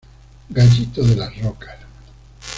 Gallito de las rocas.